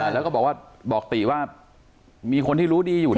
แล้วก็บอกว่าบอกติว่ามีคนที่รู้ดีอยู่นะ